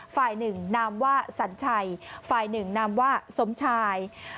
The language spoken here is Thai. ฝ่ายหนึ่งนามว่าสัญชัยฝ่ายหนึ่งนามว่าสมชาย